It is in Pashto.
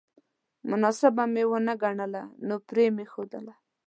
مناسبه مې ونه ګڼله نو پرې مې ښودله